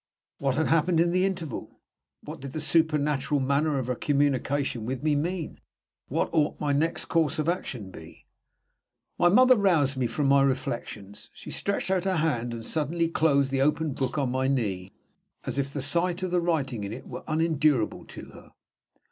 What had happened in the interval? What did the supernatural manner of her communication with me mean? What ought my next course of action to be? My mother roused me from my reflections. She stretched out her hand, and suddenly closed the open book on my knee, as if the sight of the writing in it were unendurable to her.